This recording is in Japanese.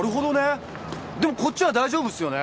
でもこっちは大丈夫っすよね？